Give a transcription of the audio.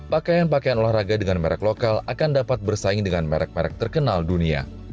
pakaian pakaian olahraga dengan merek lokal akan dapat bersaing dengan merek merek terkenal dunia